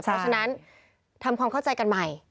เพราะฉะนั้นทำความเข้าใจกันใหม่